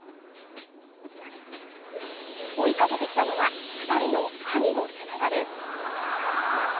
追いかけてきたのは２人の兄の背中です。